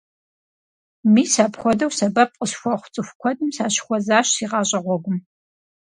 Мис апхуэдэу сэбэп къысхуэхъу цӀыху куэдым сащыхуэзащ си гъащӀэ гъуэгум.